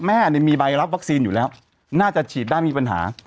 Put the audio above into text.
แม่มีใบรับวัคซีนอยู่แล้วน่าจะฉีดได้มีปัญหา